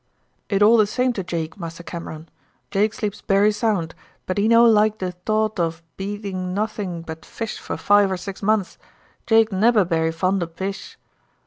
"It all de same to Jake, Massa Cameron. Jake sleeps bery sound, but he no like de tought ob eating nothing but fish for five or six months. Jake neber bery fond ob fish."